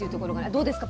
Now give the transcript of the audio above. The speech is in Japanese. どうですか？